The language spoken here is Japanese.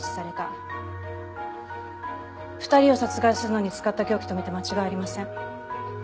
２人を殺害するのに使った凶器とみて間違いありません。